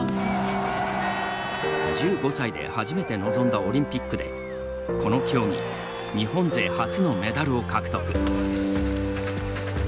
１５歳で初めて臨んだオリンピックでこの競技日本勢初のメダルを獲得。